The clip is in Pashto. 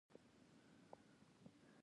ماشوم له ژړا شين شو.